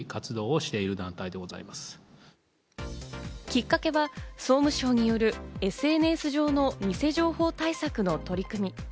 きっかけは総務省によるＳＮＳ上の偽情報対策の取り組み。